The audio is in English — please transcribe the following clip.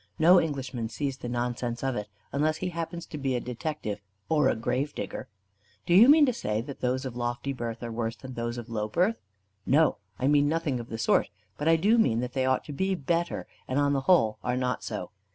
No Englishman sees the nonsense of it, unless he happens to be a detective or a grave digger." "Do you mean to say that those of lofty birth are worse than those of low birth?" "No, I mean nothing of the sort. But I do mean that they ought to be better, and on the whole are not so.